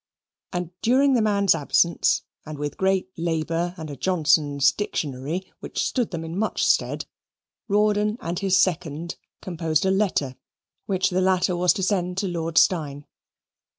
And during the man's absence, and with great labour and a Johnson's Dictionary, which stood them in much stead, Rawdon and his second composed a letter, which the latter was to send to Lord Steyne.